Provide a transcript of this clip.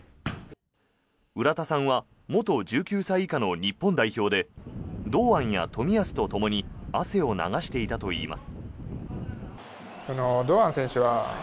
浦田さんは元１９歳以下の日本代表で堂安や冨安とともに汗を流していたといいます。